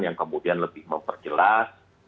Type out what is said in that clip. yang kemudian lebih memperjelas